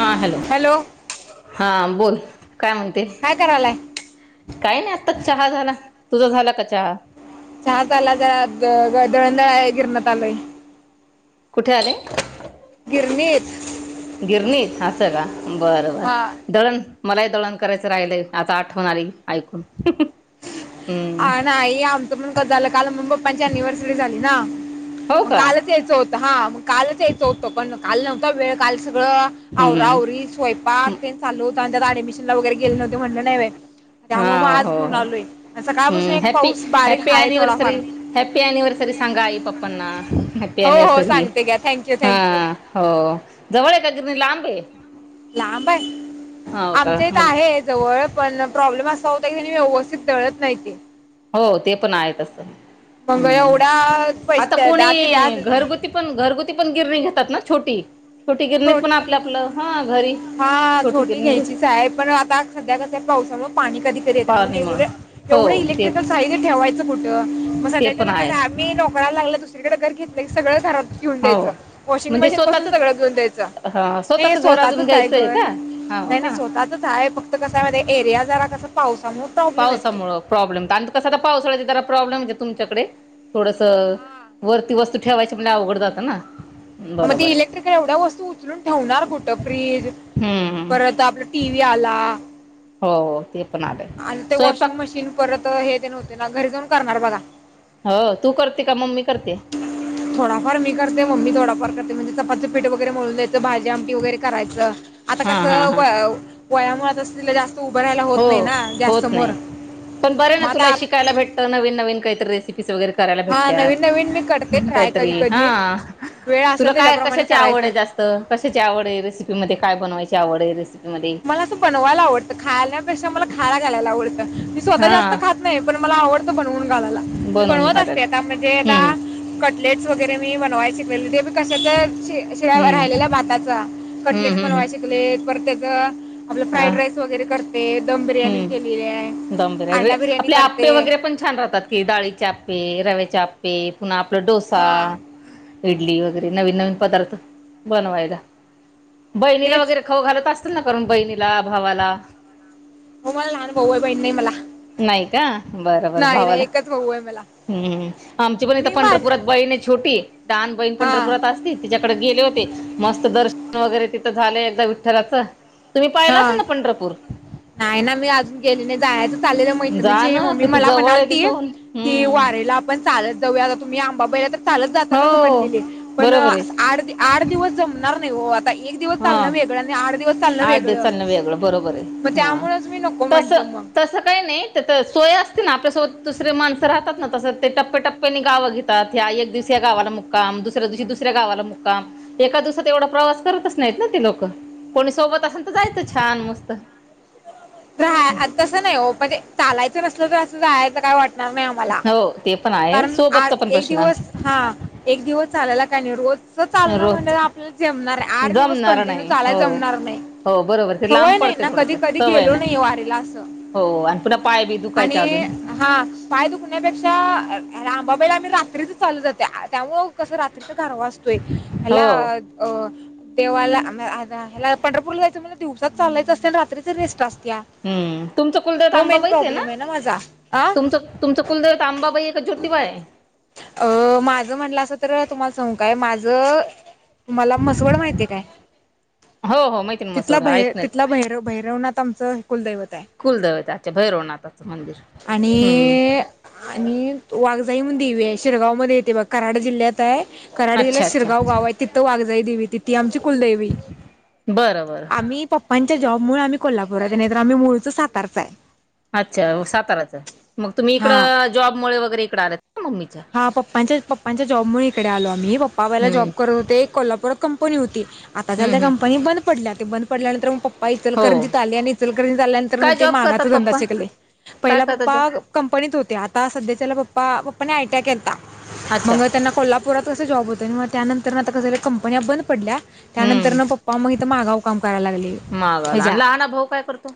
हा हॅलो हा बोल काय म्हणतेस? काय करायलाय काय नाइ आत्ताच चहा झाला तुझा झाला का चहा? चहा झाला जरा द दळण दळाय गिरणात आलोय. कुठे आले? गिरणीत. गिरणीत असं का बर बर हा दळण मला ही दळण करायचं राहिलय आता आठवण आली ऐकून. हम्म हा नाई आमचं पण कसं झालं काल मम्मी पप्पांची एनिवर्सरी झाली ना हो म का कालच यायचं होतं हा मग कालच यायचं होतं पण काल नव्हता वेळ कालच सगळं आवरा हम्म आवरी स्वयपाक तेन चालू होता आणि त्यात ऍडमिशनला वगरे गेले नव्हते म्हणलं नाइ व्हय. हा त्यामुळे मग आज हो घेऊन हो आलोय. सकाळपासून हम्म एक हॅपी पाऊस बारीक हॅपी हाय थोडाफार एनिवर्सरी हॅपी एनिवर्सरी सांगा आई पप्पांना हॅप्पी हो हो एनिवर्सरी सांगते घ्या थँक्यू हा थँक्यू आ हो जवळ हाय का गिरणी लांबे लांब हाय आमच्या इथं मग आहे जवळ पण प्रॉब्लेम अस [unintelligible] व्यवस्थित दळत नाइत ते. हो ते पण आहेत तरी मग हम्म एवढा आता पैसे कोणी द्या ते द्याच नाही घरगुती पण घरगु ती पण गिरणी घेतात ना छोटी छोटी गिरणीत पण छोट्या आपलं आपलं हा. घरी हा छोटी गिरणी घेऊ घ्यायचीच हाय पण आता सध्या कसं पाऊसामुळ पाणी कधी पाळणीमुळे [unintelligible] हो एवढं ते इलेक्ट्रिकल साहित्य ठेवा कुठ मग ते पण सध्याच्याला कस आहे आम्ही नोकराला लागला दुसरीकडे सगळं घरात घेऊन हो दयायचं वॉशिंग म्हणजे मशीन पासून स्वतःच सगळ घऊन् दयायचं. ह घर स्वतःच अजून चआहे घ्यायचंय घर का हो नाही का स्वतःच आहे फक्त कसंय माहितीय का एरिया जरा कस पावसामुळे प्रॉब्लेम येतोय. पावसामुळं प्रॉब्लेम आणि कसं आता पावसाळ्याचे जरा प्रॉब्लेम येतोय तुमच्याकडे थोडसा हा वरती ठेवायची पण अवघड जातं ना. मग ते बरोबर आहे इलेक्ट्रिकल एवढ्या वस्तू उचलून ठेवणार कुठ फ्रीज. हम्म परत आपला टी व्ही आला. हो ते पण आलंय आणि ते वॉशिंग स्वयंपाक मशीन परत हे ते व्हतय ना घरी जाऊन करणार बघा. हो तू करते का मम्मी? करते थोडाफार मी करते मम्मी थोडाफार करते म्हणजे चपातीच पिठ वगैरे मिळून द्यायचं. भाजी, आमटी वगैरे करायचं आता हा कस हा हा व वयामुळे अस जास्त तू उभं राहायला होत हो नाही ना गॅस होत समोर नाही. पण बरं ना मग आता. स वगैरे करायला हा भेट्यात नवीन नवीन मी करते ट्राय कधी काहीतरी कधी हां. वेळ तुला असेल काय त्याच्याप्रमाणे कशाची आवड करायचं आहे जास्त कशाची आवड आहे रेसिपी मध्ये काय बनवायची आवड आहे. रेसिपीमध्ये? मला असं बनवायला आवडतं खाण्यापेक्षा मला खालाया घालायला आवडतं मी स्वतः जास्त हा खात नाही. पण मला आवडत बनवून घालायला मी बनवून बनवत घालाल असते आता म्हणजे हम्म आता कट लेट वगैरे मी बनवायचे शिकलेली. कशा तर श शिळ्या हम्म राहिलेला भाताचा हम्म कटलेटस हम्म हम्म. बनवाय शिकले परत त्याज. आपला हा फ्राईड राईस वगैरे करते. बिर्याणी केलेली आहे हम्म दमदर अंडा बिर्याणी आपले करते आप्पे वगैरे पण छान राहतात की डाळीचे आप्पे. रव्याचे आप्पे पुन्हा आपला डोसा. हा इडली वगैरे नवीन नवीन पदार्थ बनवायला बहिणीला तेच वगैरे खऊ घालत असशील की? ना करूण बहिणीला, भावाला. हो मला लहान भाऊ आहे बहीण नाही मला. नाही का बरंबर नाही नाही भावाला. एकच भाऊ आहे मला हम् आमची पण इथ मी माझ पंढरपुरात बहीण आहे छोटी लहान बहीण हा पंढरपुरात असती तिच्याकडे गेले होते. मस्त दर्शन वगैरे तिथं झालंय एकदा विठ्ठलाच. हा नाही ना मी अजून गेली नाही जायाच आहे. जा मैत्रिणीची ना मम्मी किती मला जवळ आहे मणालती तिथून कि हम्म वारिला आपण आपण चालत जाऊया. तुम्ही आंबा पहिल तर चालत जात अस हो म्हणलेले पण बरोबर आहे आठ दिवस जम जमणार हो आता एक दिवस चालण वेगळं आणि आठ दिवस चालण वेगळं. चालण वेगळ बरोबरय मग ह्म्म त्यामुळेच मी नको तस म्हंटलं मग तस काय नाही सोय होय. असते ना आपल्यासोबत दुसरे माणसं राहतात ना तस ते टप्पटप्प्याने गाव घेतात हां एक दिवस या गावाला मुक् मुक्काम दुसऱ्या दिवशी दुसऱ्या गावाला मुक्काम एका दिवसात एवढा प्रवास करतच नाहीत ना ते लोक. कोणी सोबत असल तर जायचं छान मस्त. राहा तसं नाही हो म्हणजे चालायचं नसलं तर असं जाय तर काय वाटत नाही आम्हाला हो ते पण आहे कारण सोबतचा पण एक प्रश्न दिवस हा एक दिवस. चालेयला काय नाही रोजच चालण म्हण रोज आपल्याला जमणार आहे आठ दिवस जमणार कंटिन्यू नाही हो चालायला जमणार नाही. हो बरोबर ते लांब सवय नाही पडते ना थोडस कधी कधी सवय गेलो नाही वारीेला असं. हो आणि पुन्हा पाय बी दुखायचे आणि अजून हा पाय दुखण्यापेक्षा आंबाबाईला आम्ही रात्रीच चालू जाते आज त्यामुळं कसं रात्रीच घर गारवा असतोय ह्याला हो अ देवाला पंढरपूर जायचं म्हण दिवसात चालायच असते आणि रात्रीच रेस्ट असत्या. हम् तुमचं कुलदेव त हो मेन आंबाबाईच आहे ना प्रॉब्लेम माझा आ तुमचं तुमचं कुलदेव त आंबाबाई का ज्योतिबा? काय? अ माझं म्हटलं असं तर तुम्हाला सांग काय माझं. तुम्हाला म्हसवड माहिती काय हो हो माहिती ना तिथला मसोड ऐकण्यात तिथला भैर भैरवनाथ आम चं कुलदैवत आहे. कुलदैवत अच्छा भैरवनाथाचं मंदिर हम्म. वाघाईणून देवी आहेिरगाव मध्ये येते ब कराड जिल्ह्यात आहे कराड जिल्ह्या अच्छा अच्छा शराव गाव आहे तिथ वाघा. िथ आमची कुलदेवी बरं बरं आम्ही पप्पांच्या जॉब मु आम्ही को्हापू ब नाहीतर आम्ही मुळीच सातारच आहे. अच्छा साताराचं मग तुम्ही हा इकडं जॉबमुळे वगैरे इकड आलेत ना मग मी हा पप्पच्या पप्पांच्या जॉब मुळे इकडे आलो आम्ही पप्पा वयला हम्म जॉब करत होते कोल्हापूरात कंपनी होती आता झाला त्या हम्म हम्म कंपनी बंद पडल्या ते बंद पडल्यानंतर पप्पा हो इचलकरंजीित आले आणि इचलकरंजित आल्यानंतर न काय ते जॉब करतात मागाचा धंदा पप्पा शिककले. काय पहिला करतात जॉब? पप्पा कंपनीत होते आता सध्याच्याला पप्पा आटीआय केलता अच्छा मग त्यांना कोल्हापुरात कसं जॉब होतं आणि मग त्यानंतर म आता कसंरी कंपन्या बंद पडल्या. त्यानंतर हम्म ना पप्पा मग इथं मागाव काम करायला लागले मागाला आणि हच्यात लहाना भाऊ काय करतो?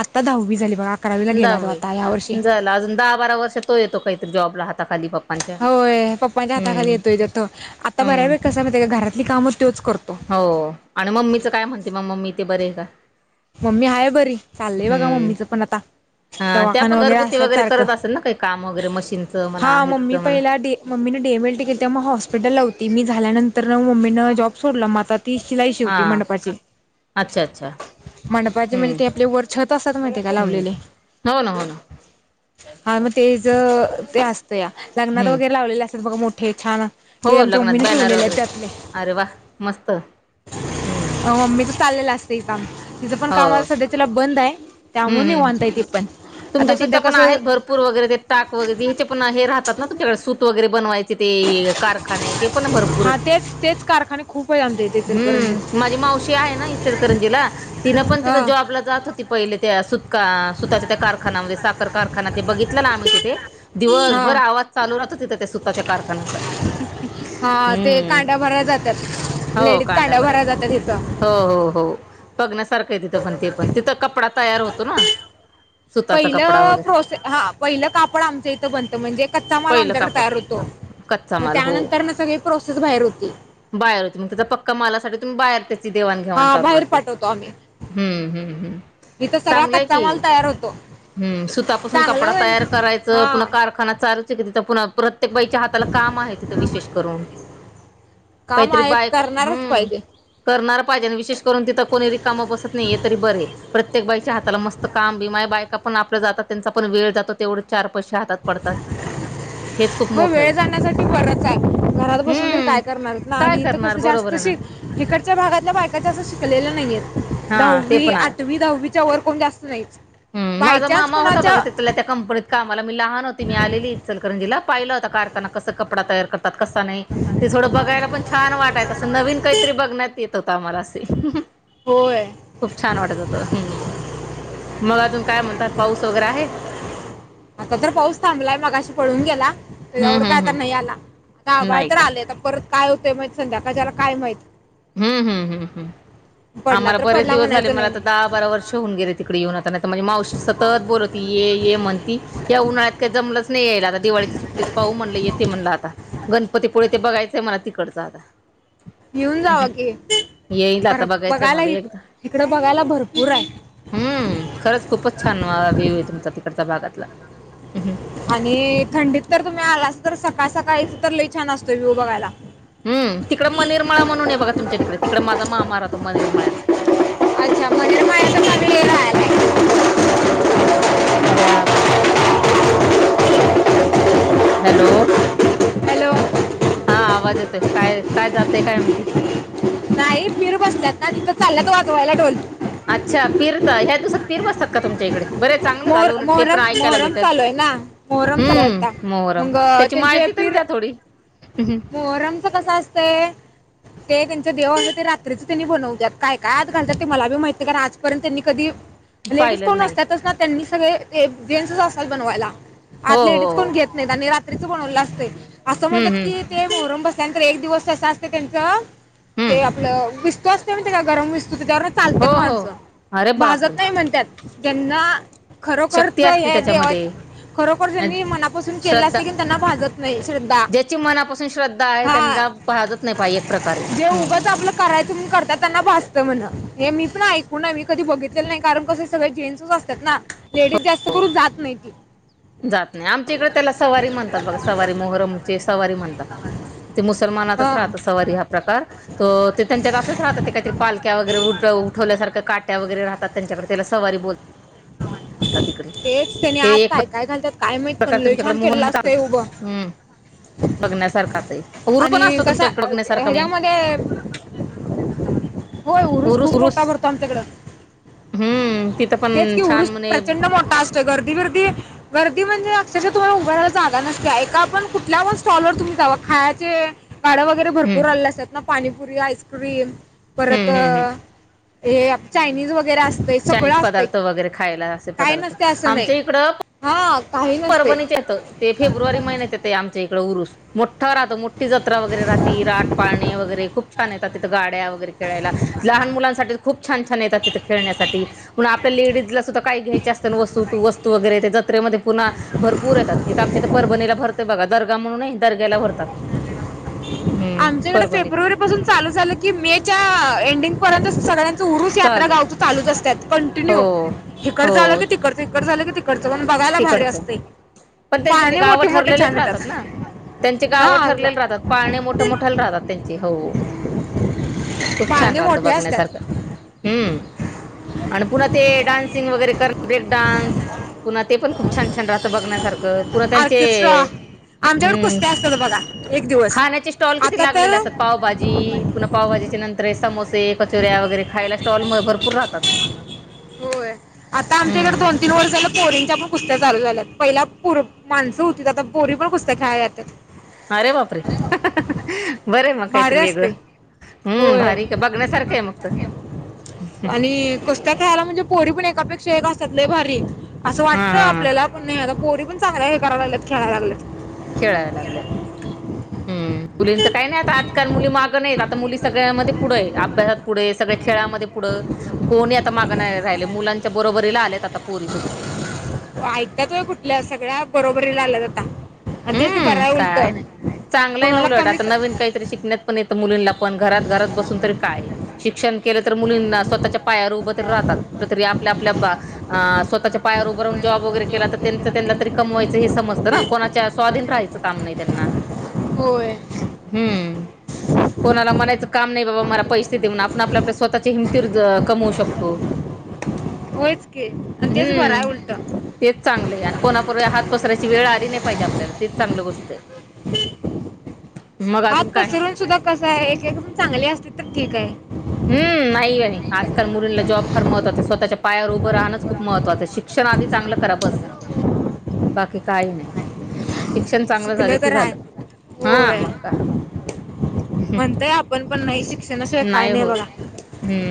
आत्ता दहावी झाली बघ. दहा झाला अजून दहा बारा वर्ष तो येतो काहीतरी जॉबला हात. होय पप्पांच्या हाताखाली हम्म येतोय त्याथ आता बऱ्या हम्म वेळ कस मा का घरातली कामच हो आणि मम्मीचं काय म्हणते मग मम्मी ते बरे आहे का? मम्मी हाय बरी चाललय बघा हम्म. मम्मीचं पण आता. हा त्या पण दवाखाना वगैरे घरगुती असतात सारख करत असेल ना काही काम वगैरे मशीनचं हा म्हणा हेच मम्मी म्हणा. पहिला ममी डेमेल तिके ते मग हॉस्पिटल लावती मी झाल्यानंतर मम्मीनं जॉब सोडला म आता तीसचीिलाई हा शिवती मंडपाची अच्छा अच्छा मंडपाचे म्हणजे हम्म ते आपले वर छत असात माहिते का हम्म. लावलेले. हो ना हो ना हा मग तेच ते असत या लग्नात हम्म वगैरे लावलेले असतात बघ मोठे छान हो ते आमच्या लग्नात मम्मीने बॅनर शिवलेले आहेत वगैरे अरे वा मस्त. हम्म मम्मी त चाललेलं असत काम तिचं पण हो काम आता सध्या तला बंद आहे. त्यामु हम्म नव निवांत हम्म. तेपण तुमच्या तिथे पण आहेत भरपूर वगैरे ते टाक वगैरे हेचे पण हे राहतात ना तुमच्याकडे सूत वगैरे बनवायचे. तिथ ते कारखाने ते पण भरपूर हा आहेत. तेच तेच कारखाने खूप आहे आणते. हम्म माझी मावशी आहे ना इचलकरंजीला तिनं पण तिथ हा जॉबला जात होती पहि सुतःच्या त्या कारखान्यामध्ये साखर कारखाना ते बघितला ना आम्ही तिथे दिवसभर हा आवाज चालू राहो. त त्या सुतच्या कारखान्याचा हम्म. खरं जातात. हो लेडीज कांड्या कांड्यावरला भरायला जातात इथं हो हो हो. सारखं तिथं पण ते पण तिथं कपडा तयार होतो ना. सुताचा कपडा पहिलं वगैरे प्रोसेस हा पहिलं कापड आमचं इथं बनतं म्हणजे कच्चा माल पहिलं आमच्याकडे कापड तयार होतो. कच्चा मग माल हो त्यानंतर ना सगळी प्रोसेस बाहेर होती बाहेर होतो म त्याचा पक्का मालासाठी तुम्ही बाहेर ते देवाणघेवाण हा चालू बाहेर राहते पाठवतो आम्ही हम्म हम्म हम्म. इथं सगळा चांगलंय कच्चा की माल तयार होतो हम्म सुतापासून चांगलं कपडा म्हण तयार करायचं हा पुन्हा कारखाना चाल. तिथं तिथं प्रत्येक बाईच्या हाताला काम आहे तिथे विशेष करून काम काहीतरी आहेत बायक करणारच हम्म. पाहिजे करणार पाहिजे आणि विशेष करून तिथे कोणी रिकामा बसत नाहीये तरी हे तरी बर आहे प्रत्येक त्यांच्या हाताला मस्त काम बीम आहे बायका पण आपल्या जातात त्यांचा पण वेळ जातो तेवढे चार पैसे हातात पडतात. हेच खूप हो मोठं वेळ आहे जाण्यासाठी बरच आहे घरात बसून तरी हम्म काय करणार ना काय आणि इथ करणार कसं जास्त बरोबर आहे तशी ना इकडच्या भागातल्या बायका जास्त शिकलेल्या नाहीये हा ते दहावी आठवी दहावी त्याच्यावर कोणी जास्त नाही. ह माझा मामा होता बघा तिथला त्या कंपनीत कामाला मी लहान होत. मी आलेली चलकरंजीला पाहिलं आता कारखाना कसा कपडा तयार करतात कसं नाही ते थोडं बघायला पण छान वाटाय असं नवीन काहीतरी बघण्यात येत होतं आम्हाला अस ही होय खूप छान वाटत होत हुं, हु. मग अजून काय म्हणतात पाऊस वगैरे आहे. आता तर पाऊस थांबलाय मगाशी पळून गेला त्याच्यावर हम्म काय हम्म आता नाही हम्म आला आता नाही आभाळात का आले आता परत काय होतंय संध्याकाळच्या ला काय माहित हम्म हम्म हम्म हम्म पडला आम्हाला तर बरेच पडला दिवस झाले म्हणायचं मला तर नाही दहा-बारा वर्ष होऊन गेले तिकडे येऊन आता माझी मावशी सतत बोलती ये ये ये म्हणती या उन्हाळ्यात काय जमलच नाही यायला दिवाळीच्या सुट्ट्यांमध्ये पाहू म्हणलं येते म्हणलं आता गणपतीपुळे ते बघायचंय मला तिकडचं आता येऊन जावा की येईल आता बरं बघायचंय बघायला मला एकदा इकडे बघायला भरपूर आहे हम् खरंच खूपच छान विव्ह आहे तुमच्या तिकडच्या भागातला. आणि थंडीत तर तुम्ही आलाच तर सकाळ सकाळी तर लई छान असतोय व्हिह बघायला हम्म तिकड मनेर मळा म्हणून तिकडे माझा मामा राहतो मनेर मळ्यात अच्छा मनेर माळ्याच्या मागे राहिला अरेबाप हॅलो हॅलो हा आवाज येतोय काय काय जाते काय महिती कसल्यात काय इथे वाजवायला चालले ढोलकी अच्छा पिरचा या दिवसात फिर बसता का तुमच्या इकडे बरे त चांगलं झालं मोहर उलट त्याचं टे मोहरम पण ऐकायला मोहरम भेटल चालू आहे ना मोहरम चालू आहे आता ह मोहरम त्याची माहिती तरी देता थोडी हम्म, मोहरमच कस असतंय ते त्यांच्या देवाव- ते रात्रीच त्यांनी बनवत्यात काय काय आत घालतात ते मला बी माहित नाही आज पर्यंत मी कधी लेडीज पाहिलेलं कोण नाही नसत्यातच ना त्यांनी सगळे जेंट्सच असतात बनवायला आत हो हो लेडीज हो कोण घेत नाहीत आणि रात्रीचा बनवलेला असतय असं हम्म म्हणजे की हम्म ते मोहरम बसत त्यानंतर एक दिवस त असत त्यांच हम्म ते आपलं विस्तव असतो नाही का गरम विस्तव त्याच्यावर चालतात हो हो माणसं अरे बापरे भाजत नाही म्हणतात ज्यांना शक्ती खरोखरच असते या त्याच्यामध्ये देवाच्या खरोखर अन- त्यांनी मनापासून केला श्रद्धा असेल त्यांना भाजत नाही श्रद्धा ज्याची मनापासून श्रद्धा आहे हा त्यांना भाजत नाही पाहि एक प्रकारे जे हम्म उगाच आपलं कराया करायचं म्हणून करत्यात त्यांना भाजत म्हण हे मी पण ऐकून आहे कधी बघितलेलं नाही कारण कसे सगळे जेंट्स असतात ना लेडीज जास्त हो करून जात नाही मी जात नाही आमच्या इकडे त्याला सवारी म्हणतात बघा सवारी मोहरमची सवारी म्हणतात ते मुसलमानातच हा राहत सवारी हा प्रकार तो त्यांच्यात असंच राहतात ते काहीतरी पालक्या वगैरे उड हो उठवल्यासारखं काट्या वगैरे राहतात त्याच्या त्याला सवारी बोलता आता तिकडे तेच त्याने हे आत एकच काय काय घालतात काय माहित पण प्रकार लय तुमच्याकडे छान केलेलं मोहरम असतंय उभं ह बघण्यासारखाच आहे हुरुप पण आणि असतो कसा तुमच्या इकडे अं, बघण्यासारखं नाही ह्याच्यामध्ये होय उरूस खूप मोठा भरतो आमच्याकडं हम्म तिथं पण तेच की छान उरुस म्हणे प्रचंड हम्म मोठा असतो गर्दी बिर्दी गर्दी म्हणजे अक्षरश तुम्हाला उभरायला जागा नसत्या एका आपण कुठल्या पण स्टॉलवर तुम्ही जा खायाच्या गाडे वगैरे भरपूर आलेले असतात ना पाणीपुरी आईस्क्रीम परत हम्म हम्म हम्म हे चायनीज वगैरे असतय सगळं चायनीज असत पदार्थ वगैरे खायला असे पदार्थ नाही आमच्या इकडं हा काही नसते परभणीचे येतं ते फेब्रुवारी महिन्यात येत ते आमच्या इकड उरुस राहतो मोठी जत्रा वगैरे राहती राट पाळणे वगैरे खूप छान येतात तिथं गाड्या वगैरे खेळायला लहान मुलांच खूप छान छान येतात तिथे खेळण्यासाठीण आपल्या लेडीजला सुद्धा काय घ्यायचे असत वस्तु वैगेरे जत्रेमध्ये पुन्हा भरपूर येतात इथ आमच्या इथ परभणीला भरत बघा दर्गा म्हणून नाही दर्ग्याला भरतात हम्म आमच्याकडे परभणीत फेब्रुवारी पासून चालू झालं की मे च्या एंडिंग पर्यंत सगळ्यां उरूस यात्रा चालू गावच चालू असतात हो कंटिन्यू इकडचं झालं हो की तिकडचं, इकडचं झालं की तिकडचं पण बघायला भारी तिकडचं असते पण त्यांचे ते पाहणे गावं मोठे मोठे ठरलेलेच छान येतात राहतात ना त्यांची गावं हा ठरले ग- राहतात पाळणे मोठ मोठ मोठाला राहतात त्यांचे हो खूप छान पाहणे राहतं मोठे असतात बघण्यासारखं हम्म आणि पुन्हा ते डान्सिंग वगैरे कर ब्रेक डान्स पुन्हा ते पण खूप छान छान राहतं बघण्यासारखं पुन्हा त्यांचे आमच्याकड हम्म कुसत्या असतात बघा एक दिवस खाण्याचे स्टॉल किती आता लागलेले तर असत पावाभाजी पुन्हा पावभाजीच्या नंतर समोसे कचोऱ्या वगैरे खायला स्टॉल मग भरपूर राहतात होय आता आमच्याकडे हम्म दोन तीन वर्षा पोरीनच्या पण कुस्त्या चालू झाल्या पहिला पोर माणसं होती आता पोरी पण कुसत्या खेळायला जातात अरे बापरे बरं आहे मग भारी काहीतरी वेगळं असते हम्म होय भारी बघण्यासारखं आहे मग इथे आणि कुस्त्या खेळायला म्हणजे पोरी पण एकापेक्षा एक असतात लय भारी असं हा वाटतं हा आपल्याला पण नाही आता पोरी पण चांगल्या हे कराय लागलेत खेळायला लागलेत खेळायला लागलेत हम् मुलींच काही नाही आता आजकाल मुली मागं नाही मुली सगळ्यामध्ये पुढे अभ्यासात पुढे सगळ खेळामध्ये पुढं कोणी आता माग नाही राहिल मुला बरोबरीला आलेत आता पोरी सुद्धा बरोबरी ला आलेत आता तेच बरा आहे उलट चांगलंय ना कोणाला उलट आता कमीच नवीन काहीतरी शिकण्यात पण येतं मुलींना पण घरात घरात बसून तरी काय शिक्षण केल तर मुलींना स्वतःच्या पायावर उभं तरी राहतात कुठंतरी आपल्या आपल्या अ स्वःच्या पायावर उभ राहून जॉब वगैरे केला तर त्यांच त्यांना तरी कमवायच हे समजत ना कोणाच्या स्वाधीन राहायचं काम नाही त्यांना होय हम्म कोणाला म्हणायचं काम नाही बाबा मला पैसे देऊन आपण आपल्या आपल्या स्वतःचे हिमतीवर कमवू शकतो होयच की आणि तेच बरं हम्म आहे उलट तेच चांगलं आहे आणि कोणापुढे हात पसरायची वेळ आली नाही पाहिजे आपल्याला तेच चांगलं गोष्ट आहे मग अजून हात काय पसरून सुद्धा कसा आहे एक एक चांगले असतील तर ठीक आहे हम्म नाही आणि आजकाल मुलींला जॉब फार महत्त्वाच आहे स्वतःच्या पायावर उभं राहणच खूप महत्त्वाचं शिक्षण आधी चांगलं करा बस बाकी काही नाही शिक्षण चांगलं शिकलं झालं की तर आहे झालं हा मग काय म्हणताय आपण पण नाही शिक्षणा शिवाय काय नाही बघा होत हम्म